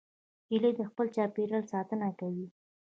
هیلۍ د خپل چاپېریال ساتنه کوي